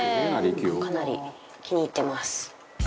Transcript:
かなり気に入ってます。